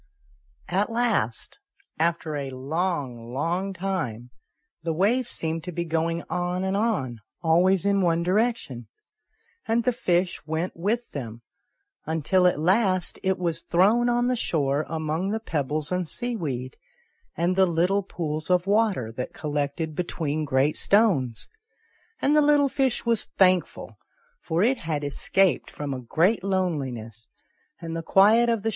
At last, after a long, long time, the waves seemed to be going on and on, always in one direction, and the fish went with them, until at last it was thrown on the shore among the pebbles and seaweed, and the little pools of water that collected between great stones; and the little fish was thankful, for it had escaped from a great loneliness, and the quiet of the 90 ANYHOW STOKIES. [STORY vm.